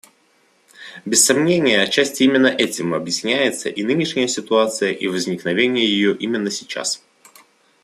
Без сомнения, отчасти именно этим объясняется и нынешняя ситуация, и возникновение ее именно сейчас.